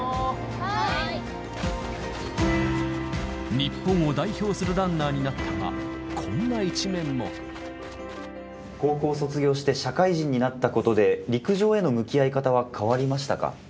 日本を代表するランナーになった高校卒業して社会人になったことで、陸上への向き合い方は変わりましたか？